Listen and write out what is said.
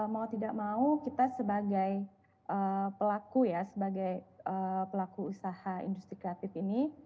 mau tidak mau kita sebagai pelaku ya sebagai pelaku usaha industri kreatif ini